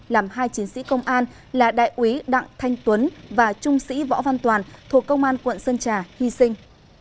làm hai chiến sĩ công an là đại úy đặng thanh tuấn và trung sĩ võ văn toàn thuộc công an tp đà nẵng hy sinh